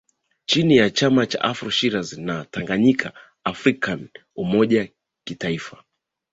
chini ya chama cha Afro Shiraz na Tanganyika afrikan umoja kitaifa